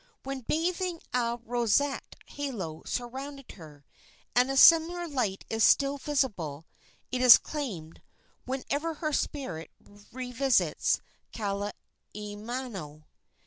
When bathing a roseate halo surrounded her, and a similar light is still visible, it is claimed, whenever her spirit revisits Kahaiamano.